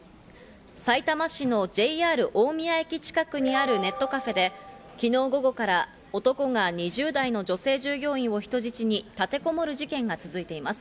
さいたま市のＪＲ大宮駅近くにあるネットカフェで、昨日午後から男が２０代の女性従業員を人質に立てこもる事件が続いています。